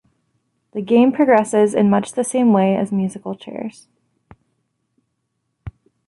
The game progresses in much the same way as musical chairs.